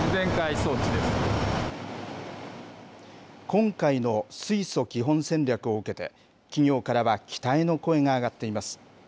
今回の水素基本戦略を受けて、企業からは期待の声が上がっています。